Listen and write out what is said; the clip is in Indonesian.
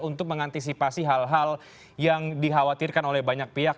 untuk mengantisipasi hal hal yang dikhawatirkan oleh banyak pihak